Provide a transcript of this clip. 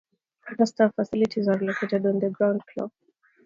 Other staff facilities are located on the ground floor.